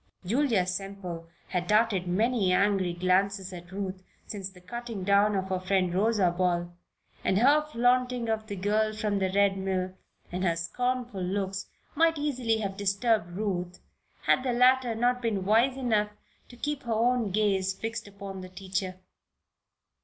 Julia Semple had darted many angry glances et Ruth since the cutting down of her friend, Rosa Ball, and her flaunting of the girl from the Red Mill, and her scornful looks, might easily have disturbed Ruth had the latter not been wise enough to keep her own gaze fixed upon the teacher.